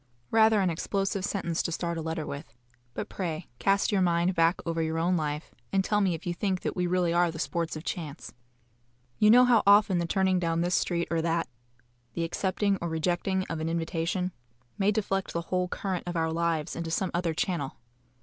Rather an explosive sentence to start a letter with; but pray cast your mind back over your own life, and tell me if you think that we really are the sports of chance. You know how often the turning down this street or that, the accepting or rejecting of an invitation, may deflect the whole current of our lives into some other channel.